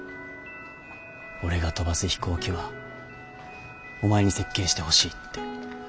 俺が飛ばす飛行機はお前に設計してほしいって。